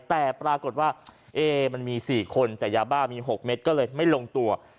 แต่ปรากฏว่าเอ๊มันมี๔คนแต่ยาบ้ามี๖เม็ดก็เลยไม่ลงตัว